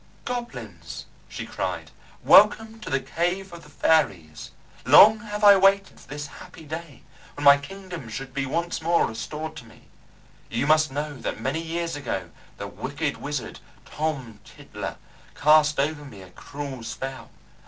"Goblins," she cried, "welcome to the cave of the fairies. Long have I waited for this happy day, when my kingdom should be once more restored to me. You must know that many years ago the wicked wizard, Tom Tiddler, cast over me a cruel spell.